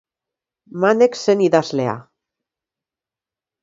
Manex zen idazlea.